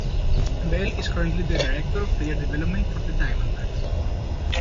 Bell is currently the Director of Player Development for the Diamondbacks.